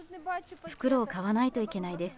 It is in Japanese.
袋を買わないといけないです。